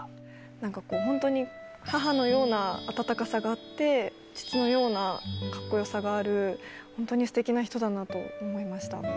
なんかこう、本当に母のような温かさがあって、父のようなかっこよさがある、本当にすてきな人だなと思いました。